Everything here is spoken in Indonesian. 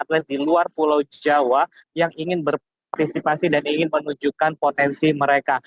atlet di luar pulau jawa yang ingin berpartisipasi dan ingin menunjukkan potensi mereka